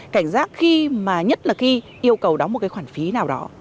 cảnh giác khi mà nhất là khi yêu cầu đóng một cái khoản phí nào đó